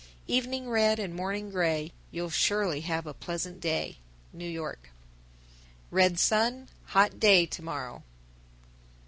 _ 983. Evening red and morning gray, You'll surely have a pleasant day. New York. 984. Red sun, hot day to morrow.